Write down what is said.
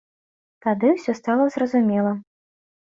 Тады ўсё стала зразумела.